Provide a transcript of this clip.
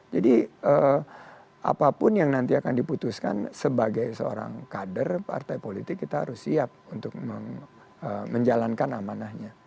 jadi apapun yang nanti akan diputuskan sebagai seorang kader partai politik kita harus siap untuk menjalankan amanahnya